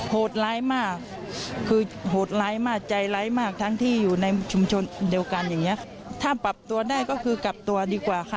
โหดร้ายมากคือโหดร้ายมากใจร้ายมากทั้งที่อยู่ในชุมชนเดียวกันอย่างนี้ถ้าปรับตัวได้ก็คือกลับตัวดีกว่าค่ะ